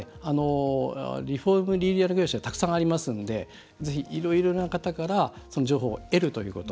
リフォームリニューアル業者はたくさんありますのでいろいろな方から情報を得るということ。